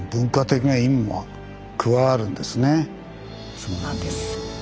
そうなんです。